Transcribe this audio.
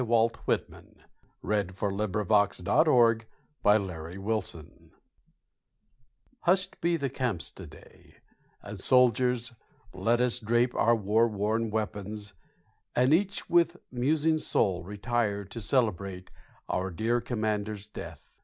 Walt Whitman (1865) Hush'd Be the Camps Today May 4, 1865 HUSH'D be the camps today, And soldiers let us drape our war worn weapons, And each with musing soul retire to celebrate, Our dear commander's death.